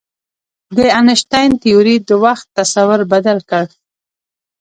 د انیشتین تیوري د وخت تصور بدل کړ.